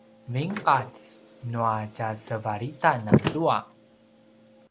vinqac nua tjasevalitan azua